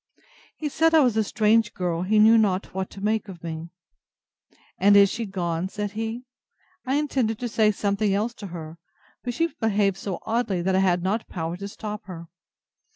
He said I was a strange girl; he knew not what to make of me. And is she gone? said he: I intended to say something else to her; but she behaved so oddly, that I had not power to stop her.